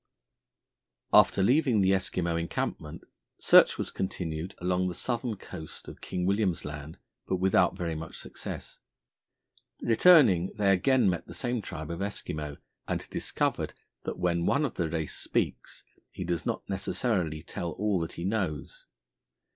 After leaving the Eskimo encampment, search was continued along the southern coast of King William's Land, but without very much success. Returning, they again met the same tribe of Eskimo, and discovered that when one of the race speaks he does not necessarily tell all that he knows.